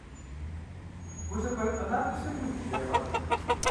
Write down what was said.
Узыпэрыт ӀэнатӀэр сыт уигу щӀрихьыр?